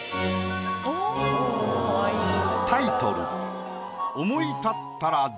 タイトル